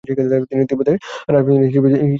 তিনি তিব্বতের রাজপ্রতিনিধি ছিলেন।